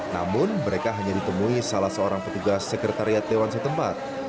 namun mereka hanya ditemui salah seorang petugas sekretariat dewan setempat